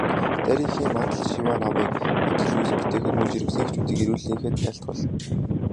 Дарь эхийн мандал шиваа номыг ажил үйлс бүтээхэд, мөн жирэмсэн эхчүүдийн эрүүл энхэд айлтгуулна.